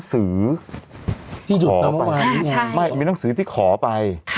คือก็มีหนังสือที่ขอไป